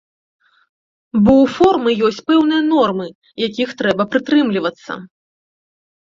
Бо ў формы ёсць пэўныя нормы, якіх трэба прытрымлівацца.